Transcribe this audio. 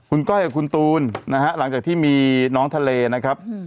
คุณก้อยกับคุณตูนนะฮะหลังจากที่มีน้องทะเลนะครับ